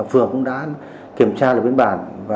vừa cũng đã kiểm tra được biên bản